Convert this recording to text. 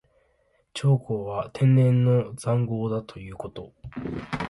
長江は天然の塹壕だということ。